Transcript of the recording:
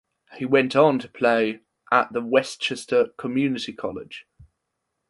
He went on to play at the Westchester Community College.